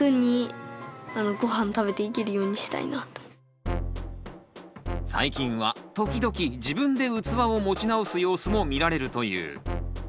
やっぱり最近は時々自分で器を持ち直す様子も見られるという。